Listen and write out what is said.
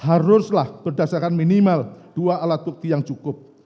haruslah berdasarkan minimal dua alat bukti yang cukup